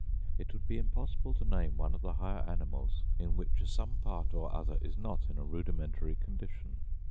It would be impossible to name one of the higher animals in which some part or other is not in a rudimentary condition.